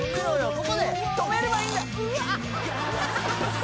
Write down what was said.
ここで止めればいいんだ